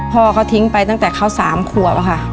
พ่อเขาทิ้งไปตั้งแต่เขาสามครัวค่ะ